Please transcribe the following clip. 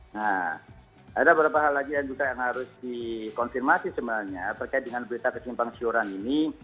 nah ada beberapa hal lagi yang juga yang harus dikonfirmasi sebenarnya terkait dengan berita kesimpang siuran ini